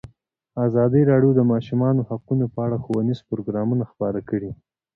ازادي راډیو د د ماشومانو حقونه په اړه ښوونیز پروګرامونه خپاره کړي.